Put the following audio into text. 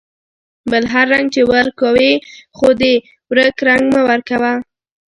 بل هر رنگ چې ورکوې ، خو د ورک رنگ مه ورکوه.